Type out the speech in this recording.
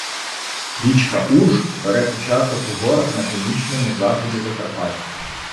Річка Уж бере початок у горах на північному заході Закарпаття.